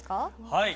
はい。